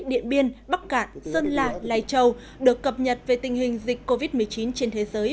điện biên bắc cạn sơn lạ lai châu được cập nhật về tình hình dịch covid một mươi chín trên thế giới